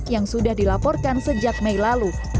yang sudah dilaporkan sejak mei lalu